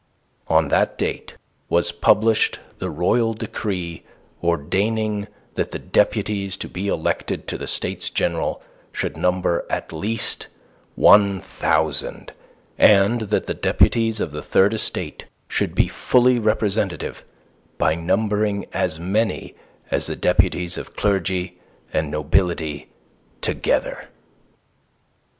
On that date was published the royal decree ordaining that the deputies to be elected to the States General should number at least one thousand, and that the deputies of the Third Estate should be fully representative by numbering as many as the deputies of clergy and nobility together.